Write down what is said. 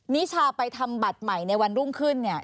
นิชาไปทำบัตรใหม่ในวันรุ่งขึ้นเนี่ย